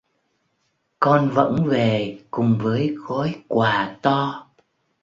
Con vẫn về cùng với gói quà to